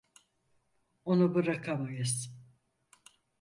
Onu bırakamayız.